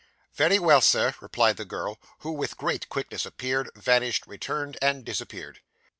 'Very well, Sir,' replied the girl; who with great quickness appeared, vanished, returned, and disappeared.